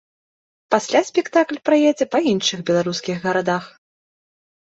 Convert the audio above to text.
Пасля спектакль праедзе па іншых беларускіх гарадах.